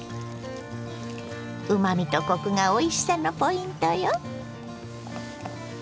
うまみとコクがおいしさのポイントよ。